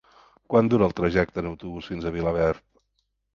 Quant dura el trajecte en autobús fins a Vilaverd?